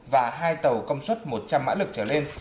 và hai tàu công suất một trăm linh mã lực trở lên